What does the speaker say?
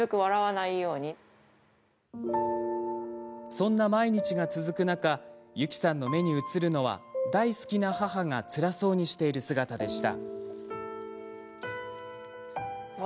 そんな毎日が続く中ゆきさんの目に映るのは大好きな母がつらそうにしている姿でした。